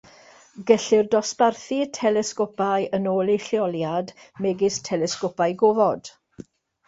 Gellir dosbarthu telesgopau yn ôl eu lleoliad, megis telesgopau gofod.